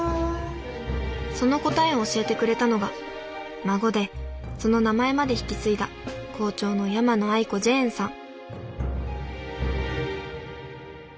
その答えを教えてくれたのが孫でその名前まで引き継いだ校長の山野愛子ジェーンさん